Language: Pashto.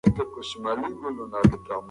انګلیسي ژبه د اوسني وخت یو ډېر مهم ضرورت دی.